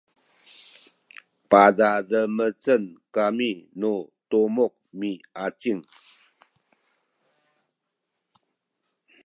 padademecen kami nu tumuk miacin